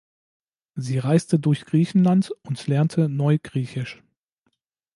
Sie reiste durch Griechenland und lernte Neugriechisch.